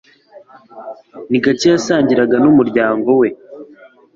Ni gake yasangiraga n'umuryango we.